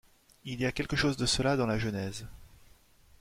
Il y a quelque chose de cela dans la Genèse.